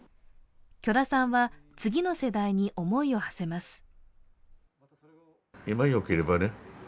許田さんは次の世代に思いを馳せます。